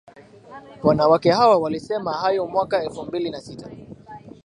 Wanawake hawa walisema hayo mwaka elfu mbili na sita